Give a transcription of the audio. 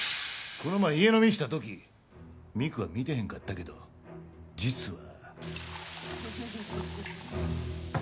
この前家飲みした時美久は見てへんかったけど実は。